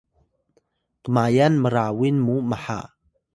kmayan mrawin mu maha